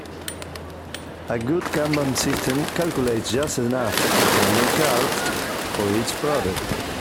A good kanban system calculates just enough kanban cards for each product.